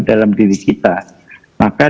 dalam diri kita maka